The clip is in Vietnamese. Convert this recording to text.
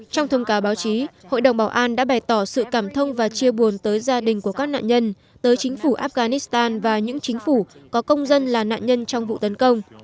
trong thông cáo báo chí hội đồng bảo an đã bày tỏ sự cảm thông và chia buồn tới gia đình của các nạn nhân tới chính phủ afghanistan và những chính phủ có công dân là nạn nhân trong vụ tấn công